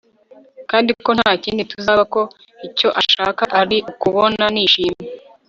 kandi ko ntakindi tuzaba ko icyo ashaka ari ukobona nishimye